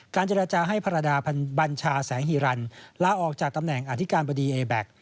เจรจาให้ภรรยาบัญชาแสงฮีรันลาออกจากตำแหน่งอธิการบดีเอแบ็ค